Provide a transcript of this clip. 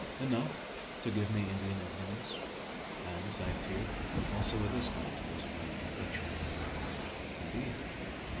"Enough to give me Indian inclinings and, I fear, also a dislike to those of my own complexion." "Indeed?"